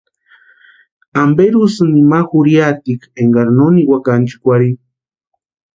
¿Amperi úsïni imani jurhiatikwan énkari no niwaka ánchikwarhini?